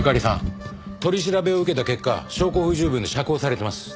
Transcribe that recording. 取り調べを受けた結果証拠不十分で釈放されてます。